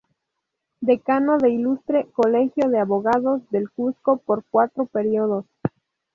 Decano del Ilustre Colegio de Abogados del Cusco por cuatro periodos.